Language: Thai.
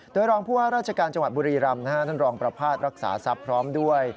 โดยรองผู้ว่าราชการจังหวัดบุรีรำท่านรองประพาทรักษาทรัพย์พร้อมด้วย